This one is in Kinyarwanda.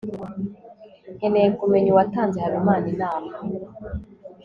nkeneye kumenya uwatanze habimana inama